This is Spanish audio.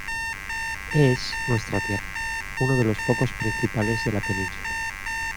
Es, nuestra tierra, uno de los focos principales de la Península.